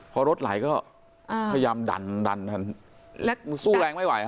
พอรถไหลก็พยายามดันสู้แรงไม่ไหว